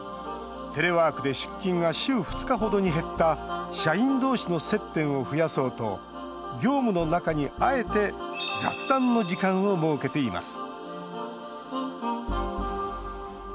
テレワークで出勤が週２日ほどに減った社員同士の接点を増やそうと業務の中にあえて雑談の時間を設けています